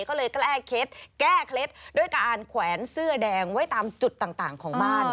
ก็เลยแก้เคล็ดแก้เคล็ดด้วยการแขวนเสื้อแดงไว้ตามจุดต่างของบ้าน